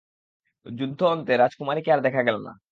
যুদ্ধ-অন্তে রাজকুমারীকে আর দেখা গেল না।